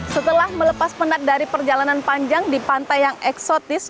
setelah melepas penat dari perjalanan panjang di pantai yang eksotis